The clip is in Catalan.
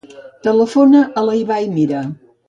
Telefona a l'Ibai Mira.